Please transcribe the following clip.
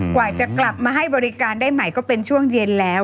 กว่าจะกลับมาให้บริการได้ใหม่ก็เป็นช่วงเย็นแล้ว